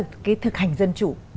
cái thực hành dân chủ